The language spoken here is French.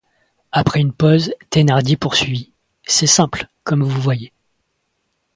Après une pause, Thénardier poursuivit: — C’est simple, comme vous voyez.